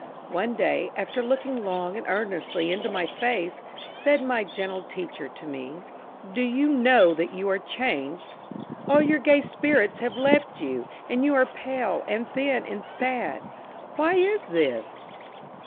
One day, after looking long and earnestly into my face, said my gentle teacher to me; "Do you know that you are changed? All your gay spirits have left you, and you are pale and thin and sad. Why is this?"